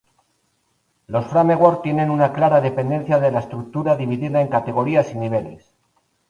Los Framework tienen una clara dependencia de la estructura, dividida en "categorías" y "niveles".